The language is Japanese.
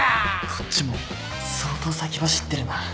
こっちも相当先走ってるな。